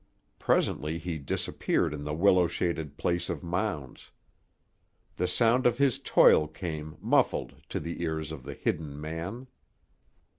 Presently he disappeared in the willow shaded place of mounds. The sound of his toil came, muffled, to the ears of the hidden man.